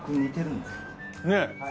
ねえ。